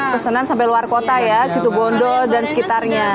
pesanan sampai luar kota ya situ bondo dan sekitarnya